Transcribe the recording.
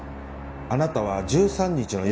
あなたは１３日の夜。